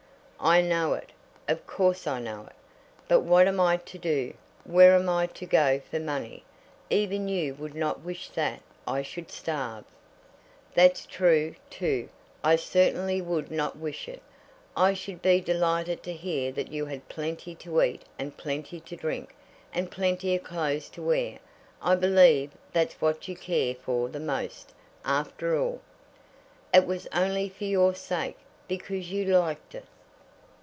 "I know it. Of course I know it. But what am I to do? Where am I to go for money? Even you would not wish that I should starve?" "That's true, too. I certainly would not wish it. I should be delighted to hear that you had plenty to eat and plenty to drink, and plenty of clothes to wear. I believe that's what you care for the most, after all." "It was only for your sake, because you liked it."